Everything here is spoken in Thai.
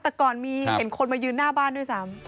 แต่ก่อนมีเห็นคนมายืนหน้าบ้านด้วยซ้ำ